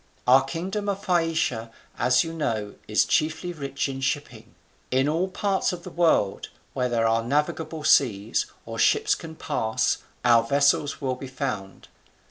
Our kingdom of Phaeacia, as you know, is chiefly rich in shipping. In all parts of the world, where there are navigable seas, or ships can pass, our vessels will be found.